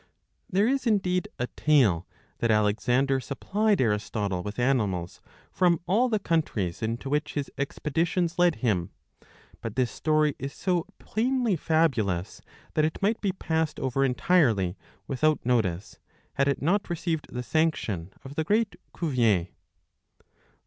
There is indeed a tale that Alexander supplied Aristotle with animals from all the countries into which his expeditions led him ; but this story is so plainly fabulous that it might be passed over entirely without notice, had it not received the sanction of the great Cuvier.